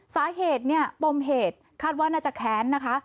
สาเหตุเนี่ยปมเหตุคาดว่าน่าจะแค้นนะคะ